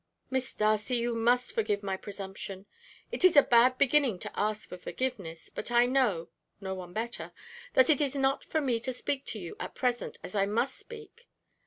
"Miss Darcy, you must forgive my presumption. It is a bad beginning to ask for forgiveness, but I know no one better that it is not for me to speak to you at present as I must speak.